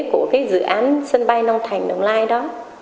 của cái dự án sân bay long thành đồng lai đó